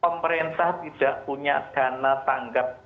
pemerintah tidak punya dana tanggap